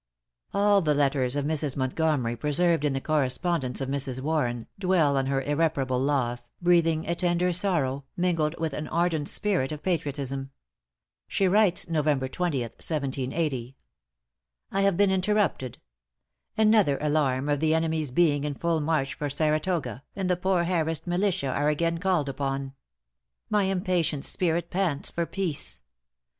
All the letters of Mrs. Montgomery preserved in the correspondence of Mrs. Warren, dwell on her irreparable loss, breathing a tender sorrow, mingled with an ardent spirit of patriotism. She writes, Nov. 20th, 1780: "I have been interrupted. Another alarm of the enemy's being in full march for Saratoga, and the poor harrassed militia are again called upon. My impatient spirit pants for peace.